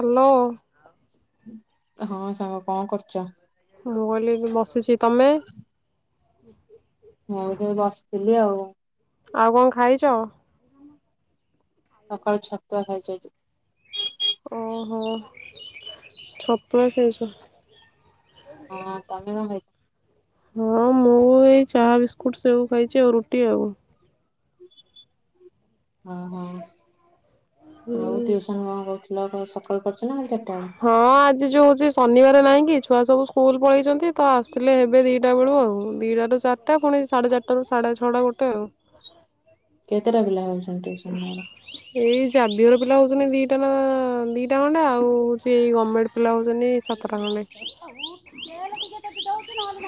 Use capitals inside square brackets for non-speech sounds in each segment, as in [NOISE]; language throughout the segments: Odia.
ହଲୋ। ହଁ ସାଙ୍ଗ କଣ କରୁଛ? ମୁଁ କହିଲି ବସିଛି ତମେ। ହ [UNINTELLIGIBLE] ମୁଁ ସେ ବସିଥିଲି ଆଉ। ଆଉ କଣ ଖାଇଛ। ସକାଳୁ ଛ ତୁଆ ଖାଇଛି ଆଜି। ହଁ ଛତୁଆ ଖାଇଛ। ହଁ ତମେ କଣ ଖାଇଛ। ହଁ ମୁଁ ଏଇ ଚାହା ବିସ୍କୁଟ ସବୁ ଖାଇଛି ଆଉ ରୁଟି ଆଉ। [UNINTELLIGIBLE] ଓ ହୋ ହୁଁ ଆଉ ଟ୍ୟଉସନ କଣ କହୁ ସକାଳ ହଁ ଆଜି ଯୋଉ ହଉଛି ଶନିବାର ନାହିଁ କି ଛୁଆ ସବୁ ସ୍କୁଲ ପଳେଇଛନ୍ତି ତ ଆସିଲେ ହେବେ ଦିଇଟା ବେଳୁ ଆଉ ଦିଇଟାରୁ ଚାରିଟା ପୁଣି ସାଢ଼େ ଚାରିଟାରୁ ସାଢ଼େ ଛଅଟା ଗୋଟେ ଆଉ। କେତେଟା [UNINTELLIGIBLE] ଏଇ ଜାବିଅର ପିଲା ହେଉଛନ୍ତି ଦିଟା ନା ଦିଇଟା ଖଣ୍ଡେ ଆଉ ହଉଛି ଗମେଣ୍ଟ ପିଲା ହେଉଛନ୍ତି ସାତଟା ଖଣ୍ଡେ।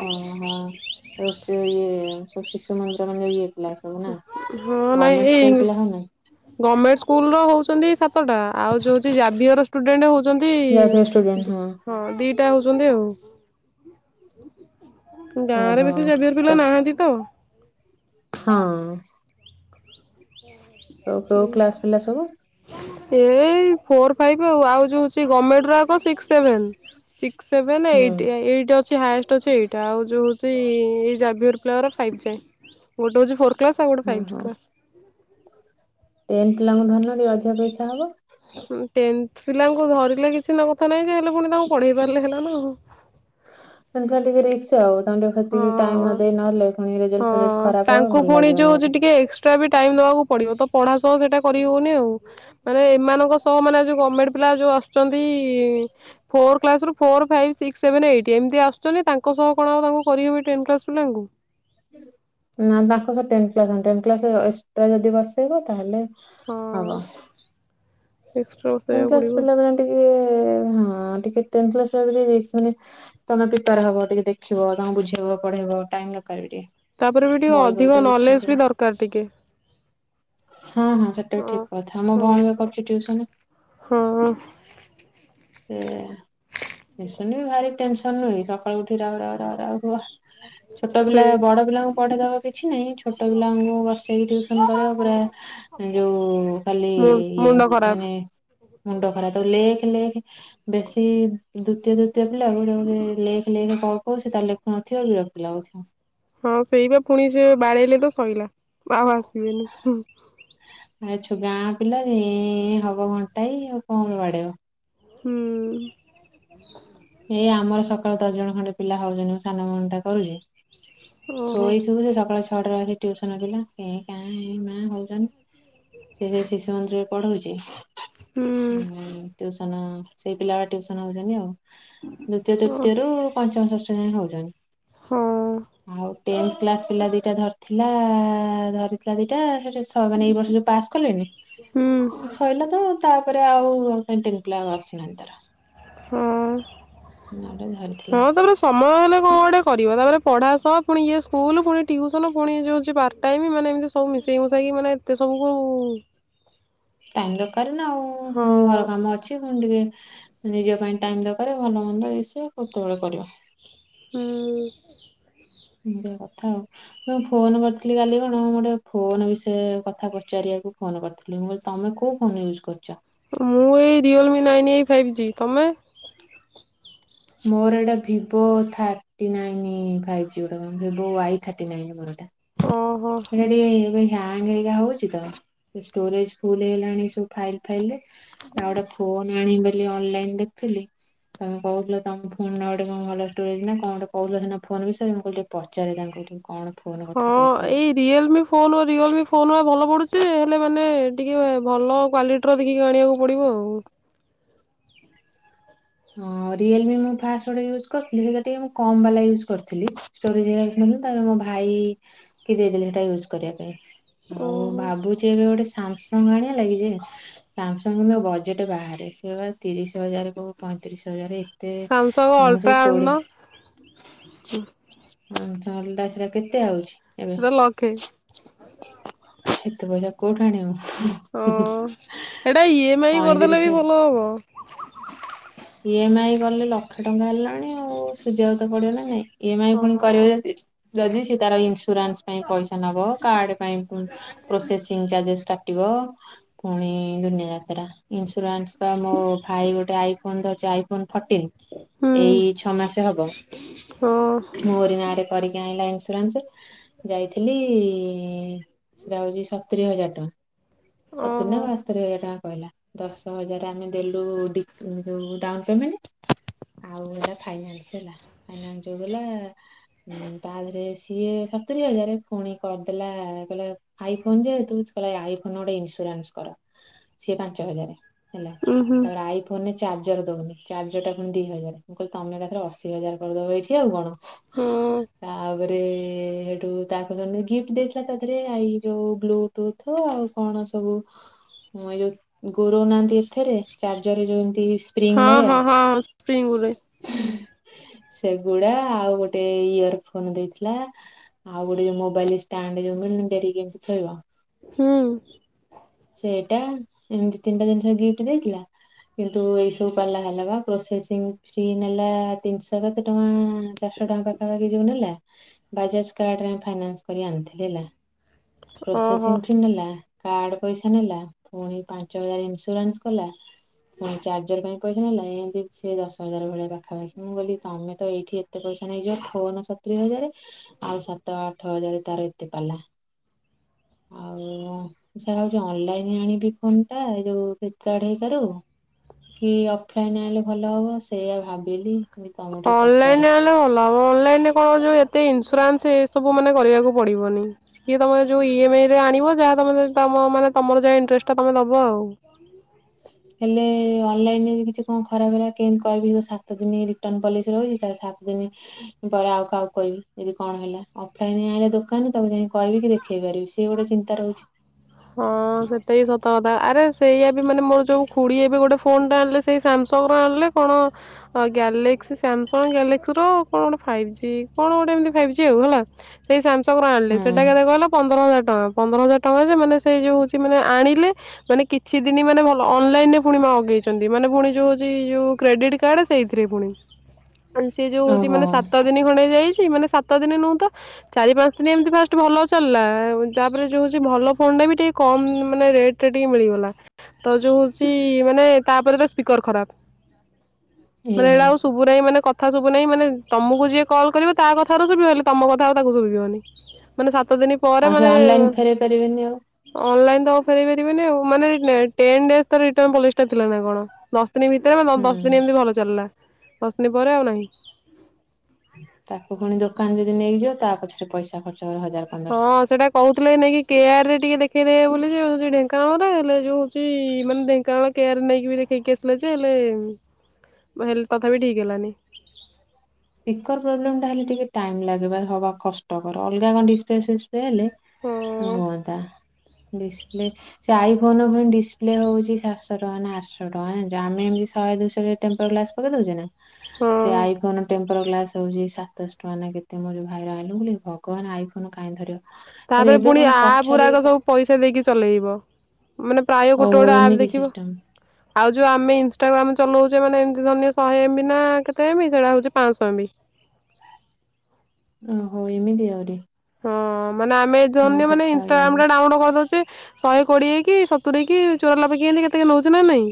ଓହୋଃ ଓ ସେ ଏଏଏ ଓ ଶିଶୁମନ୍ଦିର। [UNINTELLIGIBLE] ହଁ ନାଇଁ ଏଇ ପିଲା ହଉନାହିଁ? ଗମେଣ୍ଟ୍ ସ୍କୁଲ ର ହଉଛ୍ [INAUDIBLE] ସାତଟା ଆଉ ଯୋଉ [INAUDIBLE] ଜାବିୟର୍। [UNINTELLIGIBLE] [INAUDIBLE] ଦି ହଁ ଦି। ପ୍ରାଇଭେଟ ଷ୍ଟୁଡେଣ୍ଟ ହଁ [INAUDIBLE] ହଉଛନ୍ତି ଆଉ। ଗାଁ ରେ ଓହୋ। ବେଶୀ ଜାଭିୟର ପିଲା ନାହାନ୍ତି ତ। ହଁଅଅ ହଉ କୋଉ କ୍ଲାସ ପିଲା ସବୁ? ଏଇ ଫୋର୍ ଫାଇଭ୍ ଆଉ ଆଉ ଯୋଉ ସେ ଗମେଣ୍ଟର। ହ ସିକ୍ସ୍ ସେଭେନ୍, ସିକ୍ସ୍ ସେଭେନ୍ ହୁଁ ଏଇଟ୍, ଏଇଟ୍ ଅଛି ହାଏଷ୍ଟ୍ ଅଛି ଏଇଟ, ଆଉ ଯୋଉ ହଉଛି ଏଇ ଜାଭିୟର। ଫ୍ଲୋର୍ ଫାଇଭ୍ ଯାଏଁ ଗୋଟେ ହଉଛି ଫୋର୍। କ୍ଲସ ଆଉ ଗୋଟେ ଫ୍ଲାଇଟକ୍ଲାସ [INAUDIBLE] ଏମ ପିଲାଙ୍କୁ ଧନଟିକେ ଅଧିକ ପଇସାହବ ଟେନଥ ପିଲାଙ୍କୁ ଧରିଲ କି ସିନା କଥା ନାଇଁଯେ ହେଲେପୁଣି ତାଙ୍କୁ ପଢେଇ ପାରିଲେ ହେଲାନା ଆଉ ଖା [UNINTELLIGIBLE] ଟିକେ ରିକ୍ସ ଆଉ ତାଙ୍କୁ ଟିକେ ସେତିକି ଟାଇମ ହଁ ନ ଦେଇ ନହେଲେ ପୁଣି ରେଜଲ୍ଟ ହଁ ଫେଜଲ୍ଟ ଖରାପ ହବ ତାଙ୍କୁ ଭଲ ପୁଣି ଲାଗିବନି ଯୋଉଉଛି ଗୋଟେ। ଟିକେ ଏକ୍ସଟ୍ରାବି ଟାଇମ ଦବାକୁ ପଡିବ ତ ପଢା ସହ ସେଟା କରିହଉନି ଆଉ ମାନେ ଏମାନଙ୍କସହ ମାନେ ଯଉ ଗଭମେଣ୍ଟ ପିଲାଯୋଉ ଆସୁଛନ୍ତି ଫୋର କ୍ଲାସରୁ four five six seven eight ଏମିତି ଆସୁଛନ୍ତି ତାଙ୍କସହ କଣଆଉ ତାଙ୍କୁ କରିହେବ ଟେନ୍କ୍ଲାସ ପିଲାଙ୍କୁ ନା ତାଙ୍କତ ଟେନକ୍ଲାସ ଟେନକ୍ଲାସ ଏକ୍ସଟ୍ରା ଯଦି ବସେଇବ ତାହେଲେ ହଁ। [INAUDIBLE] ବସେଇବାକୁ ଟେନକ୍ଲାସ ପଡିବ। ପଢ଼ିଲବାଲା ଟିକେ ହଁ ଟିକେ ଟେନକ୍ଲାସ ପୂରାପୂରି [UNINTELLIGIBLE] ତମେ ପ୍ରିପାର ହବ ଟିକେ ଦେଖିବ ତମକୁ ବୁଝେଇବ ପଢେଇବ ଟାଇମ ଦରକାର ବି ଟିକେ। ତାପରେବି ଟିକେ ବହି ବହି ଅଧିକ ତ ବିଛିନ୍ନ। ନଲେଜବି ଦରକାର ଟିକେ ହଁ ହଁ ସେଟାବି ଠିକ କଥା ମୋ ହଁ ଭଉଣୀ ବା କରୁଛି ଟିଉସନ ହଁ ସେ [UNINTELLIGIBLE] ସେ ଶୁଣିବି ଭାରି ଟେନସ [UNINTELLIGIBLE] ସକାଲୁ ଉଠି ରାଉ ରାଉ ରାଉ ରାଉ। ୱା ଛୋଟପିଲା ସେଇ ବଡପିଲାଙ୍କୁ ପଢେଇଦବ କିଛିନାହିଁ ଛୋଟ ପିଲାଙ୍କୁ ବସେଇକି ଟ୍ୟଉସନ କରିବାକୁ ପୁରା ଯୋଉ କାଲି ମୁ ଇଏ ମୁଣ୍ଡ ଖରାପ। ମାନେ ମୁଣ୍ଡ ଖରାତ ଲେଖ ଲେଖ ବେଶୀ ଦ୍ୱତୀୟ ତୃ ତୀୟ ପିଲାଙ୍କୁ ଲେଖ ଲେଖ କଣ ହୋଉଛି ତାହାଲେ ପହଞ୍ଚିଲେ ବେଳକୁ ବିରତି ଲାଗୁଚି। ହଁ ସେଇବା ପୁଣି ସେ ବାଡ଼େଇଲେତ ଶୋଇଲା ଆଉ ଆସିବେନି ହୁଁ। ଆଛୁ ଗାଁ ପିଲା ଇଁ ଇଁ ହବ ଘଣ୍ଟାଏ ଆଉ କଣ ବାଡେଇବ। ହୁଁ। ଏଇ ଆମର ସକାଳ ଦଶ ଜଣ ଖଣ୍ଡେ ପିଲା ହଉଛନ୍ତି ମୋ ସାନ ଭଉଣୀଟା କରୁଛି ଓହୋ। ସୋଇସୋଇ ସେ ସକାଳ ଛଟାରେ ଆସି ଟ୍ୟୁସନ ପିଲା କେ କାଁ ମେ ମା ହଉଛନ ସେସେ ଶିଶୁ ମନ୍ଦିରରେ ପଢଉଛି ହୁଁ [UNINTELLIGIBLE] ଟିଉସ ତା ନା ସେଇ ପିଲା ଟିଉସନ ଅଉଛନ୍ତି ଆଉ ଦ୍ଵିତୀୟ ଓ ତୃତୀୟରୁ ପଞ୍ଚମ ଷଷ୍ଠ [INAUDIBLE] ହଁ ହଉଛନ ଆଉ ଟେନଥ୍ କ୍ଲାସ୍ ପିଲା ଦିଟା ଧରିଥିଲା ଧରିଥିଲା ଦିଟା ହେ ଛୁଆମାନେ ଏଇ ବର୍ଷ ଯୋଉ ପାସ୍ କଲେନି ହୁଁ ସଇଲା ତ ତାପରେ ଆଉ ପେଣ୍ଟିିଙ୍ଗ୍ ପିଲା ଆଉ ଆସୁନାହାନ୍ତି ତାର। ହଁ ନା ଗୋଟେ ଧରିଥିଲା। ମୟ ହେଲେ କଣ ଗୋଟେ କରିବ, ତାପରେ ପଢା ସହ ପୁଣି ଇଏ ସ୍କୁଲ୍ ପୁଣି ଟିଉସନ ପୁଣି ଯୋଉ ପାର୍ଟ ଟାଇମ ମାନେ ଏମିତି ସବୁକୁ ମିଶେଇମୁଶାକି ମାନେ ଏତେ ସବୁକୁ‌ ମୁଁ ଟାଇମ୍ ଦରକାର ନା ଆଉ, ପୁଣି ଘର କାମ ଅଛି ପୁଣି ଟିକେ। ନିଜ ପାଇଁ ଟାଇମ୍ ଦରକାର ଭଲ ମନ୍ଦ ଇଏ ସିଏ କେତେବେଳେ କରିବ। ହୁଁ ଏମିତିଆ କଥା ଆଉ, ମୁଁ ଫୋନ କରିଥିଲି କାଲି କଣ ଗୋଟେ ଫୋନ୍ ବିଷୟରେ କଥା ପଚାରିବାକୁ ଫୋନ୍ କରିଥିଲି, ମୁଁ କିହିଲି ତମେ କୋଉ ଫୋନ୍ ୟୁଜ୍ କରୁଛ? ମୁଁ ଏଇ ରିଅଲମି ନାଇନ ଏଇ ଫାଇଭ୍ ଜି, ତମେ? ମୋର ଏଇଟା ଭିଭୋ ଥାଟି ନାଇନ ଫାଇବ ଜି ଗୋଟେ କଣ ଭିଭୋ ୱାଇ ଥାଟି ନାଇନ ମୋର ଏଇଟା। ଓହୋଃ। ହ୍ୟାଙ୍ଗ୍ ହେରିକା ହଉଛି ତ, ସେ ଷ୍ଟୋରେଜ୍ ଫୁଲ୍ ହେଇଗଲାଣି ସବୁ ଫାଇଲ୍ ଫାଇଲରେ। ଆଉ ଗୋଟେ ଫୋନ୍ ଆଣିବି। [INAUDIBLE] ଏଇ ଅନଲାଇନ୍ ଦେଖୁଥିଲି ତମେ କହୁଥିଲ। ତମ ଫୋନ୍ ନା ଗୋଟେ କଣ ଭଲ ଷ୍ଟୋରେଜ୍ ନା କଣ ଗୋଟେ କହୁଥିଲ ସେଦିନ ଫୋନ୍ ବିଷୟରେ ମୁଁ କହିଲି ଟିକେ ପଚାରେ ତାଙ୍କୁ ଟିକେ। କଣ ଫୋନ ହଁ କଥା କହୁଥିଲେ। ଏଇ ରିଅଲମି ଫୋନ୍ ରିଅଲମି ଫୋନ୍ ବା ଭଲ ପଡୁଛି ହେଲେ ମାନେ ଟିକେ ଭଲ କ୍ଵାଲିଟିର ଦେଖିକି ଆଣିବାକୁ ପଡିବ ଆଉ ହଁ ରିଏଲମି ମୁଁ ଫାଷ୍ଟ ଗୋଟେ ୟୁଜ କରିଥିଲି ସେଇଟା ଟିକେ ମୁଁ କମ୍ ବାଲା ୟୁଜ୍ କରିଥିଲି, ଷ୍ଟୋରେଜ ହେଇଗଲା ତାପରେ ମୋ ଭାଇ କି ଦେଇଦେଲି ସେଟା ୟୁଜ୍ କରିବା ପାଇଁ। ଆଉ ଓହୋ ଭାବୁଛି ଶ୍ୟାମସଙ୍ଗ ଆଣି ଲାଗିଛି ସାମ ଆ ବଜେଟ ବାହାରେ ସେ ବା ତିରିଶ ହଜାର କ ପଇଁତିରିଶ ହଜାର। ତ ସାମସଙ୍ଗ ମୁଁ ଅଲଟ୍ରା ସେଇ ଆଣୁନ କୋଡ଼ିଏ। [INAUDIBLE] ଅଲଟ୍ରା ସେଟା କେତେ ଆଉଛି? ଏବେ ସେଟା ଲକ୍ଷେ। [UNINTELLIGIBLE] ଏତେ ପଇସା କୋଉଠୁ ଆଣିବ? ହଁ ଏଟା ଇ ଏମ ଆଇ କରିଦେଲେ ବି ପଇଁତିରିଶ ଭଲ ହବ। ଇ ଏମ ଆଇ କଲେ ଲକ୍ଷେ ଟଙ୍କା ହେଲା। ଲାଣି ଆଉ ସୁଝିବାକୁ ତ ପଡିବ ନା। ନାଇଁ। ଇ ଏମ ଆଇ ପୁଣି କରିବ ହଁ ଯଦି ଯଦି ସିଏ ତାର ଇନ୍ସୁରାନ୍ସ ପାଇଁ ପଇସା ନବ କାର୍ଡ ପାଇଁ ପ୍ରୋସେସିଂ ଚାର୍ଜେସଟା ପୁଣି ଦୁନିଆ ଯାତ୍ରା ଇନ୍ସୁରାନ୍ସ ପାଇଁ ମୋ ଭାଇ ଗୋଟେ ଆଇ ନ୍ଦର ଅଛି ଆଇ ଫୋ ହୁଁ ଏଇ ଛଅ ମାସ ହବ ହଁ [INAUDIBLE] ମୋରି ନାଁରେ କରିକି ଆଇଁଲା ଇ ରନ୍ସୁରୁ ଯାଇଥିଲି ସେଟା ହଉଛି ସତୁରି ହଜାର ଟଙ୍କା। ସତୁରି ନା ଓହୋ ବାସ୍ତରି ହଜାର ଟଙ୍କା କହିଲା ଦଶ ହଜାର ଆମେ ଦେଲୁ ଡି ଯୋଉ ଡାଉନ ପେମେଣ୍ଟ ଆଉ ହେଟା ଫାଇନାନ୍ସ ହେଲା ଫାଇନାନ୍ସ ଯୋଉ ହେଲା ତା ଦେହରେ ସିଏ ସତୁରି ହଜାର ପୁଣି କରିଦେଲା କହିଲା ଆଇ ଫୋନ ଯେ କହିଲେ ଆଇ ଫୋନ ଗୋଟେ ଇନ୍ସୁରାନ୍ସ କର ସିଏ ପାଞ୍ଚ ହଜାରେ। ହେଲା ଉଁ ହୁଁ ତାପରେ ଆଇ ମାନେ ଚାର୍ଜର ଦଉନି ଚାର୍ଜର ଟା ପୁଣି ଦି ହଜାର ମୁଁ କହିଲି ତମେ ଏକାଥରେ ଅଶି ହଜାର କରିଦବ ଏଇଠି ଆଉ କଣ। ହୁଁ। [INAUDIBLE] ତା ତାପରେ ହେଠୁ ତାକୁ ଜଣେ ଗିଫ୍ଟ ଦେଇଥିଲା ତା ଦେହରେ ଆ ଯୋଉ ବ୍ଲୁଟୁଥ ଆଉ କଣ ସବୁ ଏ ଯୋଉ ଗୁରଉ ନାହାନ୍ତି ଏଥିରେ ଚାର୍ଜର ଏ ଯଉ ଯେମତି ସ୍ପ୍ରିଙ୍ଗ ହଁ ଭଳିଆ। ହଁ ହଁ ସ୍ପ୍ରିଙ୍ଗରେ ସେଗୁଡା ଆଉ ଗୋଟେ ଇୟର ଫୋନ ଦେଇଥିଲା ଆଉ ଗୋଟେ ଯୋଉ ମୋବାଇଲ ଷ୍ଟାଣ୍ଡ ଯୋଉ ମିଳୁନିକି ଲଗେଇକି ଏମିତି ଥୋଇିବ। ହୁଁ ସେଇଟା ଏମତି ତିନିଟା ଜିନିଷ ଗିଫ୍ଟ ଦେଇଥିଲା କିନ୍ତୁ ଏଇ ସବୁ ପାଲା ହେଲା ବା ପ୍ରୋସେସିଂ ଫି ନେଲା ତିନିଶହ କେତେ ଟଙ୍କା ଚାରିଶ ଟଙ୍କା ପାଖାପାଖି ଯଉ ନେଲା ବାଜାଜ କାର୍ଡରେ ଫାଇନାନ୍ସ କରି ଆଣିଥିଲି ହେଲା। ଓହୋ। ପ୍ରୋସେସିଂ ଫି ନେଲା। କାର୍ଡ଼ ପଇସା ନେଲା ପୁଣି ପାଞ୍ଚ ହଜାର ଇନ୍ସୁରାନ୍ସ କଲା ପୁଣି ଚାର୍ଜର ପାଇଁ ପଇସା ନେଲା। ଏତି ସିଏ ଦଶ ହଜାର ଭଳିଆ ପାଖାପାଖି ମୁଁ କହିଲିତମେ ତ ଏଇଠି ଏତେ ପଇସା ନେଇଯିବ ଫୋଅନ ସତୁରି ହଜାର ଆଉ ସାତ ଆଠ ହଜାରେ ତାର ଏତେ ପାଲା ଆଉ ଏହା ହେଉଛି ଅନଲାଇନ୍ ଆଣିବି ଫୋନ ଟା ଏଇ ଯଉ ଫ୍ଲିପୀକାର୍ଟ ହେକାରୁ କି ଅଫଲାଇନ୍ ଆଣିଲେ ଭଲ ହେବ ସେଇଆ ଭାବିଲି। ତମକୁ ଟିକେ ପଚାରେ ଅନଲାଇନ ରେ ଆଣିଲେ ଭଲ ହବ ଅନଲାଇନ ରେ କଣ ହଉଚି ଏତେ ଇନ୍ସୁରାନ୍ସ ସେ ସବୁ ମାନେ କରିବାକୁ ପଡିବନି କିଏ ତମେ ଯୋଉ ଇ ଏମ ଆଇ ରେ ଆଣିବ ଯାହା ତମେ ତମ ମାନେ ତମର ଯାହା ଇଂଟରେଷ୍ଟ ଟା ତମେ ଦ ୱାଆଉ। ଅନଲାଇନ ଯଦି କିଛି କଣ ଖରାପ ହେଲା କେମିତି କହିବି ସାତ ଦିନ ରିଟର୍ନ ପଲିସି ରହୁଛି ତା ସାତ ଦିନ ପରେ ଆଉ କାହାକୁ କହିବି ଯଦି କଣ ହେଲା ଅଫଲାଇନ ଆଣିଲେ ଦୋକାନ ତାକୁ ଯାଇ କହିବି କି ଦେଖେ ହଁ ସେଟା ବି ସତ କଥା ଆରେ ସେଇଆ ମାନେ ମୋର ଯଉ ଖୁଡି ହେବେ ଗୋଟେ ଫୋନଟେ ଆଣିଲେ ସେଇ ସାମସଙ୍ଗର ଆଣିଲେ କଣ ଗ୍ୟାଲେକ୍ସି ସାମସଙ୍ଗ ସାମସଙ୍ଗ ଗ୍ୟାଲେକ୍ସିର କଣ ଗୋଟେ ଫାଇଭ ଜି କଣ ଗୋଟେ ଫାଇଭ ଜି ଆଉ ହେଲା ସେଟାକୁ ଆଣିଲେ ହୁଁ ସେଟା କେତେ କହିଲ ପନ୍ଦର ହଜାର ପନ୍ଦର ହଜାର ଟଙ୍କା ଯେ ମାନେ ସେଇ ଯୋଉ ହଉଛି ମାନେ ଆଣିଲେ ମାନେ କିଛି ଦିନ ମାନେ ଭଲ ଅନଲାଇନ ରେ ପୁଣି ମଗେଇଛନ୍ତି ମାନେ ପୁଣି ଯୋଉ ହଉଛି ଯୋଉ କ୍ରେଡିଟ୍ କାର୍ଡ ସେଇଥିରେ ପୁଣି ଆଉ ସିଏ ଯୋଉ ହଉଛି ଓହୋ ମାନେ ସାତ ଦିନ ଖଣ୍ଡେ ହେଇଯାଇ ମାନେ ସାତ ଦିନ ନୁଉଁ ତ ଚାରି ପାଞ୍ଚ ଦିନ ଏମତି ଫାଷ୍ଟ ଭଲ ଚାଲିଲା। ତାପରେ ଯୋଉ ହଉଛି ଭଲ ଫୋନ ଟା ବି ଟିକେ କମ୍ ମାନେ ରେଟରେ ଟିକେ ମିଳିଗଲା। ତ ଯୋଉ ହଉଛି ମାନେ ତାପରେ ତା ସ୍ପିକର ଖରାପ। ଏ ମାନେ ଏଇଟା ହେ ଆଉ ସବୁ ନାହିଁ ମାନେ କଥ୍ କଥା ଶୁଭୁ ନାହିଁ ମାନେ ତମକୁ ଯିଏ କଲ୍ କରିବ ତା କଥ ଶୁବିବ ହେଲେ ତମ କଥା ତାକୁ ଶୁଭିବନି ମାନେ ସାତ ଦିନ ପରେ ଆଉ ସେ ମାନେ ଅନଲାଇନ ଫେରଇ ପାରିବେନି ଆଉ। ଅନଲାଇନ ତ ଅଉ ଫେରେଇପାରିବେନି ଆଉ ମାନ ଟେନ୍ ଡେଜ ତାର ରିଟର୍ନ ପଲିସ୍ ଥିଲା ନା କଣ ଦଶ ଦିନ ଭିତରେ ହୁଁ ଦଶ ଦିନ ଏମିତି ଭଲ ଚାଲିଲା। ଦସଦିନି ପରେ ଆଉ ନାହିଁ। ତାକୁ ଫୁଣି ଦୋକାନ ଯଦି ନେଇଯିବ ତା ପଛରେ ପଇସା ଖର୍ଚ୍ଚ କର ହଜାର ହଁ ପନ୍ଦରଶହ। ସେଟା କହୁଥିଲେ ନେଇକ କେଆର ରେ ଟିକେ ଦେ ଦେଖେଇ ଦେବେ ବୋଲି ଯେ ଢେଙ୍କାନାଳରେ ହେଲେ ଯୋଉ ହଉଛି ମାନେ ଢେଙ୍କାନାଳ କେୟାର ନେଇକି ଦେଖେଇକି ଆସିଲେ ଯେ ହେଲେ ହେଲେ ତଥାପି ଠିକ ହେଲାନି। ସ୍ପିକର ପ୍ରୋବ୍ଲେ ଟା ହେଲେ ଟିକେ ଟାଇ ଲାଗ ହବା କଷ୍ଟକର ଅଲଗା କଣ ଡିସ୍ପିପ୍ଲେ ଫି ହେଲେ ହଁ ହୁଅନ୍ତା ହେଲେ ସେ ଆଇଫୋନ ଉପରେ ଡିସିପ୍ଲେ ହେଉଛି ସାତଶହ ଟଙ୍କା ନା ଆଠଶହ ଟଙ୍କାଛ ଜନିଛ ଆମେ ଏମିତି ଶହେ ଦୁଶହ ଟେମ୍ପୋର ଗ୍ଲାସ୍ ପକେଇ ଦେଉଛେ ନା। ହଁ ସେ ଆଇ ଫୋନ ଟେପର ଗ୍ଲାସ ହଉ ସାତଶହ ଟଙ୍କା ନା କେତେ ମୋ ଯଉ ଭାଇ ଆଣିଲୁ କ ଭଗବାନ ଆଇ ଫୋ କାଇଁ ଧରି ତାପରେ ପୁଣି ଆପ୍ ଗୁରାକ ସବୁ ପଇସା ଦେଇକି ଚଲେଇବ। ମାନେ ପ୍ରାୟ ଗୋଟେ ଓହୋ ଗୋଟେ ଆପ୍ ଏମିତି ଦେଖିବ ସିଷ୍ଟମ ଆଉ ଯୋଉ ଆମେ ଇନଷ୍ଟାଗ୍ରାମ ଚଲଉଛେ ମାନେ ଏମତି ଧରିନିଅ ଶହେ ଏମ ବିି ନା କେତେ ଏମ ବି ସେଇଟା ହଉଛି ପାଞ୍ଚଶହ ଏମ ବି। ଓହୋ ଏମିତି ଆହୁରି ହଁ ମାନ ଆମେ ମୁଁ ଜଉ ମାନେ ସେଟା ଆଉ ଇନଷ୍ଟାଗ୍ରାମ ଜାଣିନି ଟା ଡାଉନଲୋଡ କରିଦଉଛେ। ଶହେ କୋଡିଏ କି ସତୁରି କି ଚୋରା ଲବେ କି ଏମତି କେତେ କଣ ନେଉଛି ନା ନାଇଁ।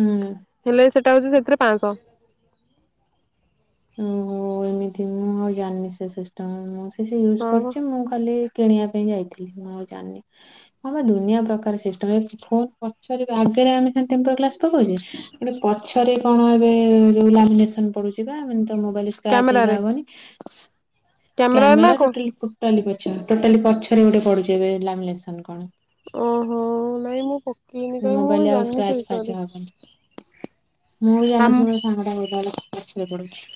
ହୁଁ। ହେଲେ ସେଟା ସେଥିରେ ପାଞ୍ଚସହ [INAUDIBLE] ଓହୋ ଏମିତି ମୁଁ ଆଉ ଜାଣିନି ସେ ସିଷ୍ଟମ୍ ମୁଁ ସେ ୟୁଜ୍ ହଁ ବା କରୁଛି ମୁଁ ଖାଲି କିଣିବା ପାଇଁ ଯାଇଥିଲି ମୁଁ ଆଉ ଜାଣିନି ଆମେ ଦୁନିଆ ପ୍ରକାର ସିଷ୍ଟମ ଫୋନ୍ ପଛରେ ବି ଆଗରେ ଆମେ ଟେମ୍ପ୍ରେଚର୍ ଗ୍ଲାସ ପକଉଛେ ପଛରେ କଣ ଏବେ ଲାମିନେସନ ପଡୁଛି। [UNINTELLIGIBLE] ତ ମୋବାଇଲ ସ୍କ୍ରାଚ କ୍ୟାମେରାରେ ହେରିକା ହବନି। କ୍ୟାମେରାରେ ନା କ୍ୟାମେରା କଣ ଟୋଟା ଟୋଟାଲି ପଛ ଟୋଟାଲି ପଛରେ ଗୋଟେ ପଡୁଛି। ଏବେ ଏ ଲାମିନେସନ କଣ? ଓହୋ ନାଇଁ ମୁଁ କ ମୋବାଇଲ ଆଉ ସ୍କ୍ରାଚ୍ ଫ୍ରାଚ୍ ହବନି [INAUDIBLE] ମୁଁ ଆମ ଜାଣିନଥିଲି ମୋର୍ ସାଙ୍ଗ ଟା କାହିଲା। ପଛରେ ପଡୁଛି।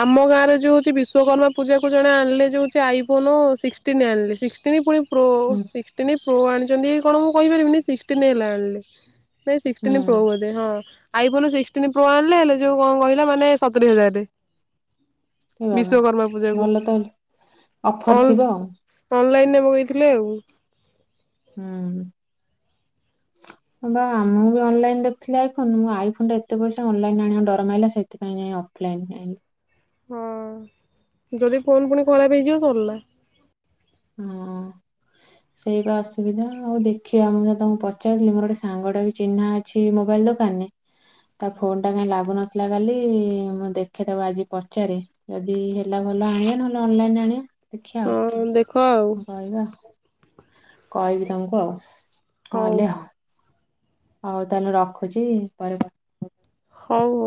ଆମ ଗାଁରେ ଯୋଉ ହଉଛି ବିଶ୍ଵକର୍ମା ପୂଜା କୁ ଜଣେ ଆଣିଲେ ଯଉ ହଉଛି ଆଇଫୋନ ସିକ୍ସଟିନ ଏଲ୍ ସିକ୍ସଟିନ ପୁଣି ପ୍ରୋ ହୁଁ ସିକ୍ସଟିନ। ହଉ ଆଣିଛନ୍ତି କି କଣ ମୁଁ କହିପାରିବିନି ସିଷ୍ଟିନି ଏଲ ଆଣିଲି। ନାଇଁ ହୁଁ ସିକ୍ସଟିନ୍ ପ୍ରୋ ବୋଧେ ହଁ। ଆଇ ଫୋନ ସିକ୍ସଟିନ ପ୍ରୋ ଆଣିଲେ ହେଲେ ଯୋଉ କଣ କହିଲା ମାନେ ସତୁରି ହଜାରରେ। ଏ ବାବା ବିଶ୍ଵକର୍ମା ପୂଜାକୁ ଭଲ ତ [INAUDIBLE] ଅଫର ଅନ ଥିବ ଆଉ ଅନଲାଇନ ବାଇଥିଲେ ଆଉ। ହୁଁ ବା ଆମର ବି ଅନଲାଇନ ଦେଖୁଥିଲି ଆଇଫୋନ ଆଇଫୋନରେ ଏତେ ପଇସା ଅନଲାଇନରେ ଡର ମାରିଲା ସେଥିପାଇଁ ଅଫଲାଇନ ଆଣିଲି। ହଁ ଯଦି ଫୋନ୍ ପୁଣି ଖରାପ ହେଇଯିବ ସରିଲା। ହଁ ସେଇ ବା ଅସୁବିଧା ଆଉ ଦେଖିବା ମୁଁ ତାଙ୍କୁ ପଚାରଥିଲି ମୋର ଗୋଟେ ସାଙ୍ଗଟା ବି ଚିହ୍ନା ଅଛି ମୋବାଇଲ ଦୋକାନରେ ତା ଫୋନ ଟା କାହିଁ ଲାଗୁନଥିଲା କାଲି ମୁଁ ଦେଖେ ତାକୁ ଆଜି ପଚାରେି ଯଦି ହେଲା ଭଲ ଆଣିବା ନହେଲେ ଅନଲାଇନରେ ଆଣିବା। ଦେଖିବା ହଁ ଦେଖ ଆଉ। ବାଇଆ କହିବି ତାଙ୍କୁ ଆଉ। କଣ ହଉ ହେଲେ ହଁ? ହଉ ତାହେଲେ ରଖୁଛି ପରେ କ ହଉ।